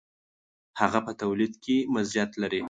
هغه په تولید کې مزیت لري.